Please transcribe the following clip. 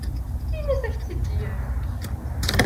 Ini-as ad ak-tt-id-yefk.